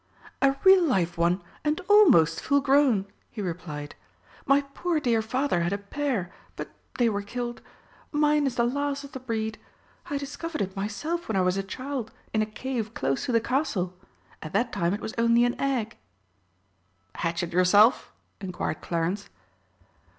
"A real live one and almost full grown," he replied. "My poor dear Father had a pair, but they were killed. Mine is the last of the breed. I discovered it myself when I was a child in a cave close to the castle. At that time it was only an egg." "Hatch it yourself?" inquired Clarence.